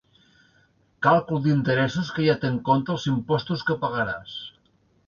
Càlcul d'interessos que ja té en compte els impostos que pagaràs.